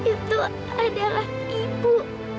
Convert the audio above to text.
itu adalah ibu